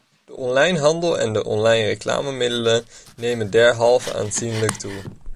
De onlinehandel en de onlinereclamemiddelen nemen derhalve aanzienlijk toe.